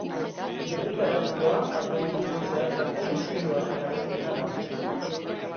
Gerri karratua abdomeneko zeharkako muskuluaren jarraipena da.